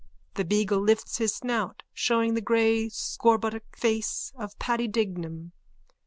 _(The beagle lifts his snout, showing the grey scorbutic face of Paddy Dignam.